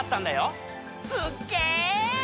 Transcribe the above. すっげぇ！